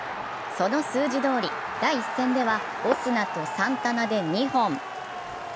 その数字どおり、第１戦ではオスナとサンタナで２本。